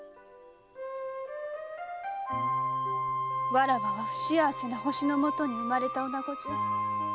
わらわは不幸せな星の元に生まれた女子じゃ。